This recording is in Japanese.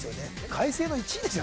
開成の１位ですよ